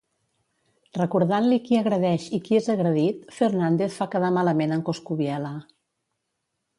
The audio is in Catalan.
Recordant-li qui agredeix i qui és agredit, Fernàndez fa quedar malament en Coscubiela.